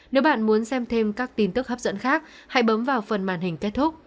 nếu bạn muốn xem thêm các tin tức hấp dẫn khác hãy bấm vào phần màn hình kết thúc